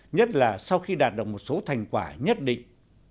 nhất là sau khi đạt được một số thành quả nhất định